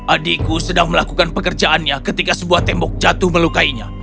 adikku sedang melakukan pekerjaannya ketika sebuah tembok jatuh melukainya